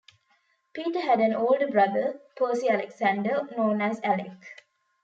Peter had an older brother, Percy Alexander, known as Alec.